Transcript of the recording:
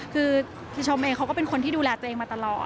คือพี่ชมเองเขาก็เป็นคนที่ดูแลตัวเองมาตลอด